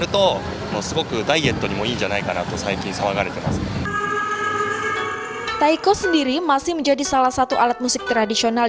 taiko sendiri masih menjadi salah satu alat musik tradisional